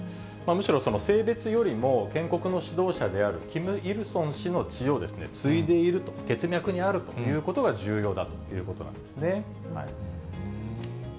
むしろ、性別よりも建国の指導者であるキム・イルソン氏の血を継いでいると、血脈にあるということが重要だということなんですね。